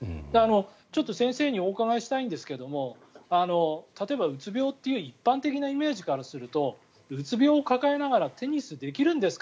ちょっと先生にお伺いしたいんですが例えば、うつ病という一般的なイメージからするとうつ病を抱えながらテニスできるんですか？